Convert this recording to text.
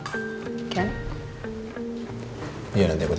iya nanti aku jalan jalan aja sama nino